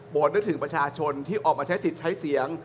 นึกถึงประชาชนที่ออกมาใช้สิทธิ์ใช้เสียง